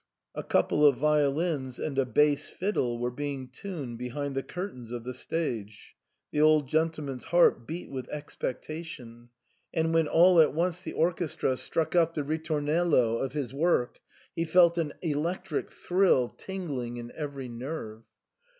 A couple of violins and a bass fiddle were being tuned behind the curtains of the stage ; the old gentleman's heart beat with ex pectation ; and when all at once the orchestra struck up the ritornello of his work, he felt an electric thrill tingling in every nerve.